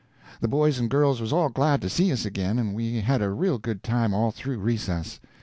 The boys and girls was all glad to see us again, and we had a real good time all through recess.